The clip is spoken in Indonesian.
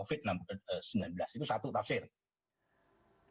itu satu tafsir